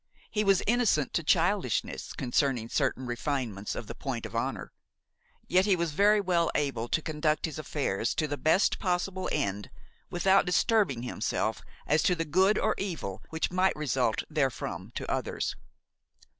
He was innocent to childishness concerning certain refinements of the point of honor, yet he was very well able to conduct his affairs to the best possible end without disturbing himself as to the good or evil which might result therefrom to others.